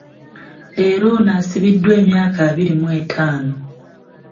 Leero ono asibiddwa emyaka abiri mw'ettaano.